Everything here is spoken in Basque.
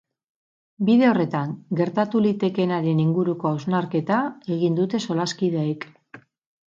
Bide horretan gertatu litekeenaren inguruko hausnarketa egin dute solaskideek.